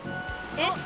えっ！？